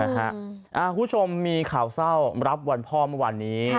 คุณผู้ชมมีข่าวเศร้ารับวันพ่อเมื่อวานนี้